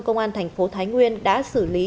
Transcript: công an thành phố thái nguyên đã xử lý